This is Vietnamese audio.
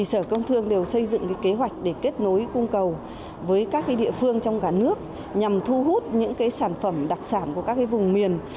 sở công thương đều xây dựng kế hoạch để kết nối cung cầu với các địa phương trong cả nước nhằm thu hút những sản phẩm đặc sản của các vùng miền